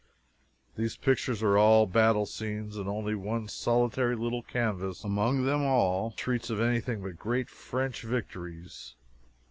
These pictures are all battle scenes, and only one solitary little canvas among them all treats of anything but great French victories.